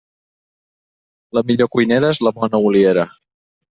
La millor cuinera és la bona oliera.